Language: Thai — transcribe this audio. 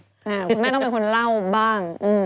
ใช่ก็ไม่เป็นคนเล่าบ้าง